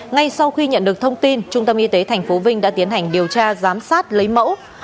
ngay sau khi nhận được thông tin trung tâm y tế tp vinh đã tiến hành điều tra giám sát lấy mẫu